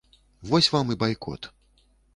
Вось вам і байкот.